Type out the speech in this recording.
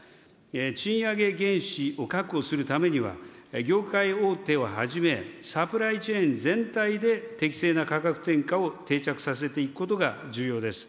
賃上げ原資を確保するためには、業界大手をはじめ、サプライチェーン全体で適正な価格転嫁を定着させていくことが重要です。